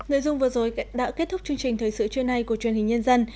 nội dung vừa rồi đã kết thúc chương trình thời sự truyền hay của truyền hình nhân dân